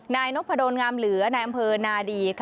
นายนพดลงามเหลือนายอำเภอนาดี